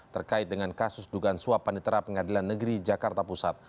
terkait dengan kasus dugaan suapan di terap pengadilan negeri jakarta pusat